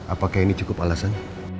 apakah ini cukup alasan